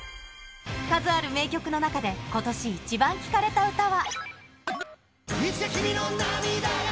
数ある名曲の中で、今年イチバン聴かれた歌は。